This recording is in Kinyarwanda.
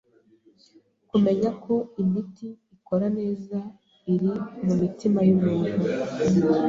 Kumenya ko imiti ikora neza iri mumitima yumuntu